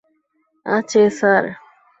আছে, স্যার।